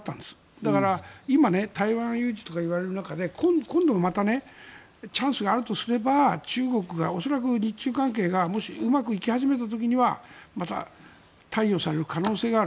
だから、今台湾有事とか言われる中で今度またチャンスがあるとすれば中国が恐らく、日中関係がもしうまくいき始めた時にはまた貸与される可能性がある。